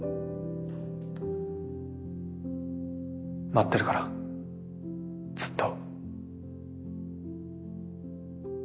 待ってるからずっと。